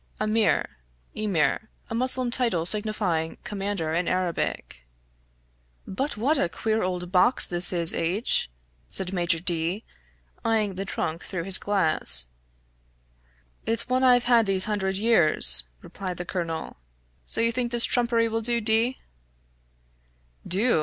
{aymeer = Emir; a Muslim title signifying commander in Arabic} "But what a queer old box this is, H ," said Major D , eyeing the trunk through his glass. "It's one I've had these hundred years," replied the colonel. "So you think this trumpery will do, D ?" "Do?